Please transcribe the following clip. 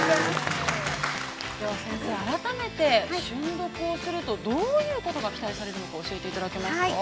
では先生、改めて瞬読をするとどういうことが期待されるのか教えていただけますか。